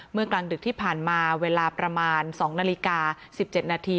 กลางดึกที่ผ่านมาเวลาประมาณ๒นาฬิกา๑๗นาที